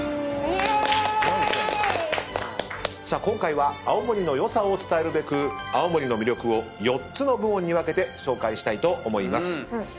今回は青森の良さを伝えるべく青森の魅力を４つの部門に分けて紹介したいと思います。